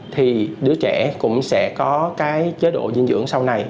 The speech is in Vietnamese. thì đứa trẻ cũng sẽ có cái chế độ dinh dưỡng sau này